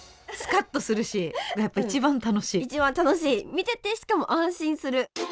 見ててしかも安心する。